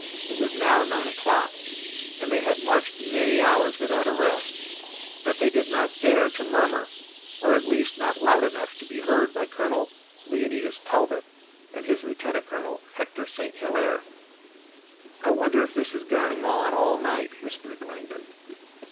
It was now nine o'clock, and they had marched many hours without a rest, but they did not dare to murmur, at least not loud enough to be heard by Colonel Leonidas Talbot and his lieutenant colonel, Hector St. Hilaire. "I wonder if this is going on all night," whispered Langdon.